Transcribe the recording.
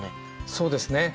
そうですね。